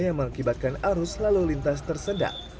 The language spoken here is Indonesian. yang mengakibatkan arus lalu lintas tersedak